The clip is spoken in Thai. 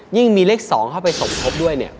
ยิ่งมีเลข๒เข้าไปสมทบด้วยเนี่ย